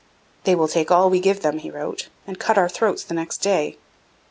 'They will take all we give them,' he wrote, 'and cut our throats next day.'